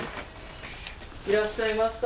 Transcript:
いらっしゃいました。